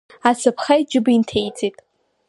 Ацаԥха иџьыба инҭеиҵеит.